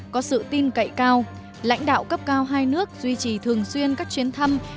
có sự tin cậy cao lãnh đạo cấp cao hai nước duy trì thường xuyên các chuyến thăm